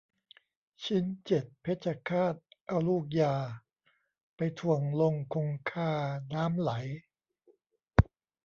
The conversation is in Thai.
ชิ้นเจ็ดเพชรฆาฎเอาลูกยา ไปถ่วงลงคงคาน้ำไหล